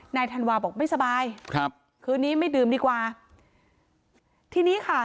ธันวาบอกไม่สบายครับคืนนี้ไม่ดื่มดีกว่าทีนี้ค่ะ